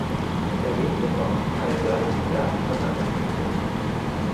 Er lebt im Ortsteil Greiffenberg von Angermünde.